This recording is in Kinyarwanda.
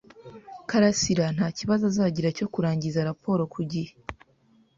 karasira nta kibazo azagira cyo kurangiza raporo ku gihe.